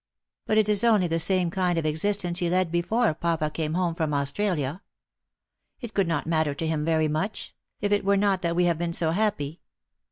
But it is only the same kind of existence he led before papa came home from Australia. It could not matter to him very much ; if it were not that we have been so happy."